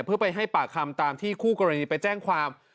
เพื่อไปให้ปากคำตามที่คู่กรณีไปแจ้งความ